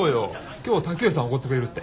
今日瀧上さんがおごってくれるって。